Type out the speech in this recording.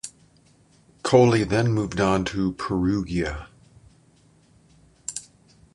Coly then moved on to Perugia.